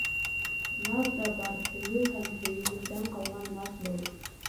Наҙ ҙа бар. һөйөү һәм һөйөлөүҙән ҡалған наҙ был.